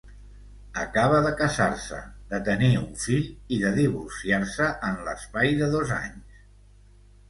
Acaba de casar-se, de tenir un fill i de divorciar-se en l'espai de dos anys.